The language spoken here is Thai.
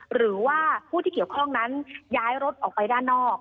หรือว่าผู้ที่เกี่ยวข้องนั้นย้ายรถออกไปด้านนอก